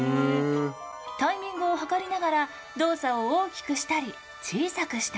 タイミングを計りながら動作を大きくしたり小さくしたり。